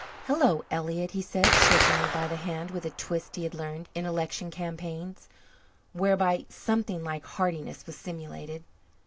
"Hello, Elliott," he said, shaking me by the hand with a twist he had learned in election campaigns, whereby something like heartiness was simulated.